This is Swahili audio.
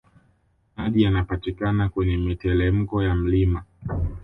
Maji yanapatikana kwenye mitelemko ya mlima